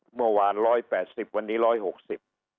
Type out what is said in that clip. เมื่อวาน๑๘๐วันนี้๑๖๐